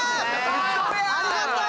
ありがとう！